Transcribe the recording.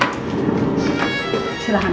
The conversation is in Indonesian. ayo bu masuk bu